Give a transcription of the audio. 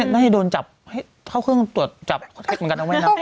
น่าจะโดนจับเข้าเครื่องตรวจจับเช็คเหมือนกันนะแม่นะ